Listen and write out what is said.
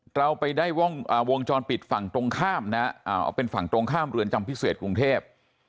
เราไปได้วงจรปิดฝั่งตรงข้ามนะเป็นฝั่งตรงข้ามเรือนจำพิเศษกรุงเทพ